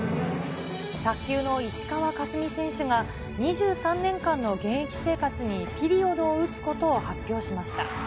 卓球の石川佳純選手が、２３年間の現役生活にピリオドを打つことを発表しました。